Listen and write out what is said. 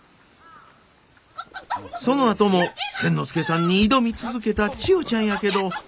そのあとも千之助さんに挑み続けた千代ちゃんやけど。